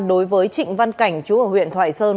đối với trịnh văn cảnh chú ở huyện thoại sơn